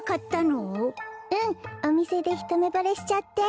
うんおみせでひとめぼれしちゃって。